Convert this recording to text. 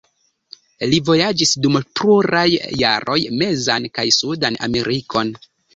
Li vojaĝis dum pluraj jaroj mezan kaj sudan Amerikon.